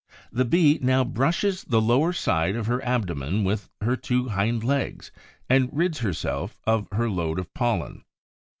The Bee now brushes the lower side of her abdomen with her two hind legs and rids herself of her load of pollen.